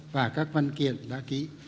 và các văn kiện đã ký